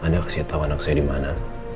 anda kasih tau anak saya dimana